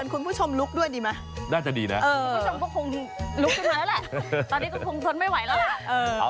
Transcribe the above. คุณผู้ชมก็คงลุกขึ้นมาแล้วแหละตอนนี้ก็คงทนไม่ไหวแล้วแหละ